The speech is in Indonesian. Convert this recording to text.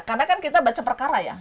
karena kan kita baca perkara ya